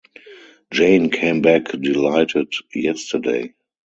Jane came back delighted yesterday.